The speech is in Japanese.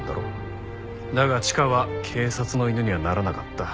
だがチカは警察の犬にはならなかった。